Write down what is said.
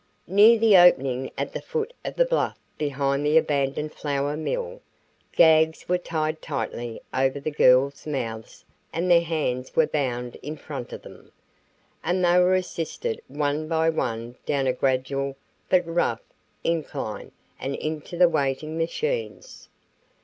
Near the opening at the foot of the bluff behind the abandoned flour mill, gags were tied tightly over the girls' mouths and their hands were bound in front of them, and they were assisted one by one down a gradual, but rough, incline and into the waiting machines.